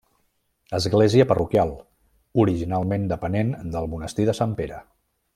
Església parroquial, originalment depenent del monestir de Sant Pere.